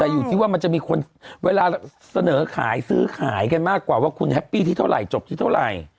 แต่อยู่ที่ว่ามันจะมีคนเวลาเสนอขายซื้อขายกันมากกว่าว่าคุณแฮปปี้ที่เท่าไหร่จบที่เท่าไหร่